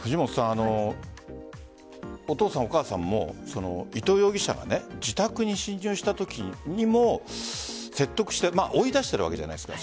お父さん、お母さんも伊藤容疑者が自宅に侵入したときにも説得して追い出しているわけじゃないですか。